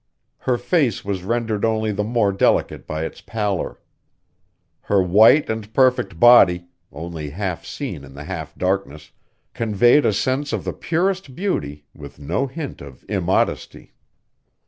Her face was rendered only the more delicate by its pallor. Her white and perfect body, only half seen in the half darkness, conveyed a sense of the purest beauty with no hint of immodesty.